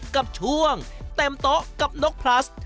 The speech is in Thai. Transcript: กับช่วงเต็มโต๊ะกับนกพลัส